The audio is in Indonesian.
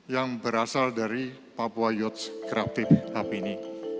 yang berasal dari papua yots krapiv hapini